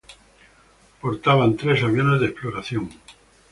Portaban tres aviones de exploración.